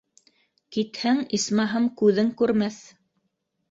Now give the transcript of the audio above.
Китһәң, исмаһам, күҙең күрмәҫ.